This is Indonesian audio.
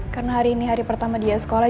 karena hari ini hari pertama dia sekolah